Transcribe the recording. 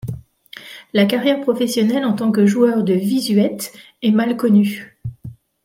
La carrière professionnelle en tant que joueur de Vizuete est mal connue.